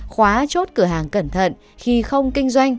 khóa chốt cửa hàng cẩn thận khi không kinh doanh